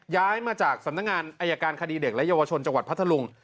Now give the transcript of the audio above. ย้ายมาจากสำนักงานอายการคดีเด็กและเยาวชนจังหวัดพัทธลุง